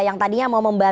yang tadinya mau membantu